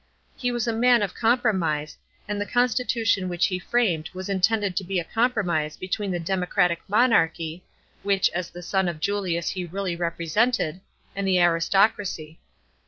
He was a man of com promise, and the constitution which he framed was intended to be a compromise between the democratic monarchy, which as the son of Julius he really represented, and the aristocracy.